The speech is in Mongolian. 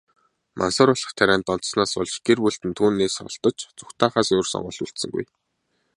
Мансууруулах тарианд донтсоноос болж, гэр бүлд нь түүнээс холдож, зугтаахаас өөр сонголт үлдсэнгүй.